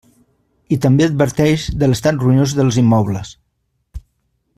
I també adverteix de l'estat ruïnós dels immobles.